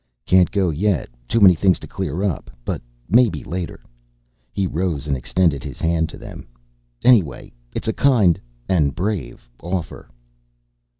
"Can't go yet, too many things to clear up. But maybe later." He rose and extended his hand to them. "Anyway it's a kind and brave offer."